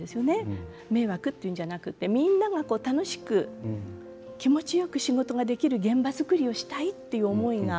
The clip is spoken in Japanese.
迷惑っていうんじゃなくってみんなが楽しく気持ちよく仕事ができる現場作りをしたいっていう思いが。